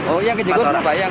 oh yang kejebur berapa